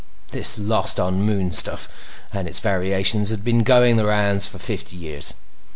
This "lost on the moon" stuff and its variations had been going the rounds for forty years.